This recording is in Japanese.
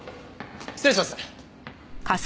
失礼します。